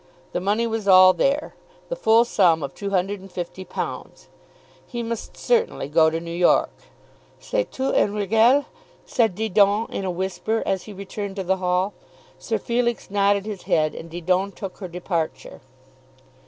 The money was all there; the full sum of £250. He must certainly go to New York. "C'est tout en règle?" said Didon in a whisper as he returned to the hall. Sir Felix nodded his head, and Didon took her departure.